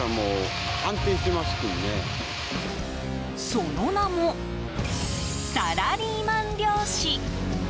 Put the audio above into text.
その名も、サラリーマン漁師。